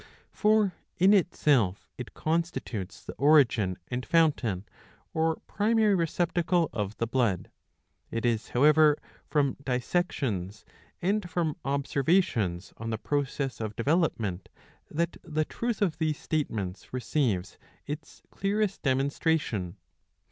For in itself it constitutes the origin and fountain, or primary receptacle, of the blood. It is, however, from dissections and from observations on the process of development that the truth of these statements receives its clearest demonstration.